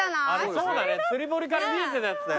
そうだね釣り堀から見えてたやつだよ。